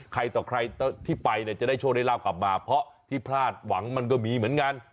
ใครต่อใครที่ไปเนี่ยจะได้โชคได้ราบกลับมาเพราะที่พลาดหวังมันก็มีเหมือนกัน